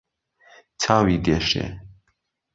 چاوی دێشێ